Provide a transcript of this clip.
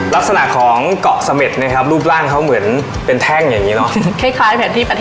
ลักษณะของเกาะเสม็ดนะครับรูปร่างเขาเหมือนเป็นแท่งอย่างนี้เนอะ